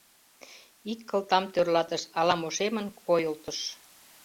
Ик кылтам тӧрлатыш, ала-мо шемын койылтыш.